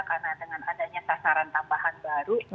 karena dengan adanya sasaran tambahan baru